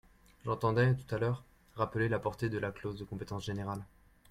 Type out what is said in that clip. J’entendais, tout à l’heure, rappeler la portée de la clause de compétence générale.